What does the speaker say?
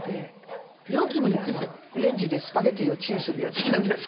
これレンジでスパゲッティをチンするやつなんですけど。